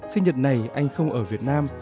sinh nhật này anh không ở việt nam